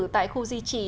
tại khu di trì